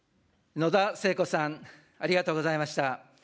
野田聖子さん、ありがとうございました。